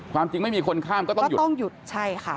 ความจริงไม่มีคนข้ามก็ต้องหยุดต้องหยุดใช่ค่ะ